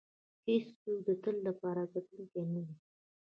هېڅوک د تل لپاره ګټونکی نه دی.